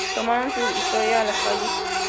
Tomaron su historia a las calles.